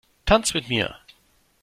Tanz mit mir!